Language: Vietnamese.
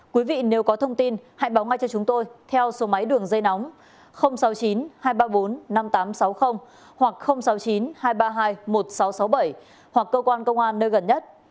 quý vị nếu có thông tin hãy báo ngay cho chúng tôi theo số máy đường dây nóng sáu mươi chín hai trăm ba mươi bốn năm nghìn tám trăm sáu mươi hoặc sáu mươi chín hai trăm ba mươi hai một nghìn sáu trăm sáu mươi bảy hoặc cơ quan công an nơi gần nhất